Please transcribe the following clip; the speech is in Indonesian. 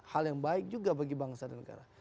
hal yang baik juga bagi bangsa dan negara